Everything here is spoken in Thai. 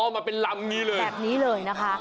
มาเป็นลำนี้เลยแบบนี้เลยนะคะ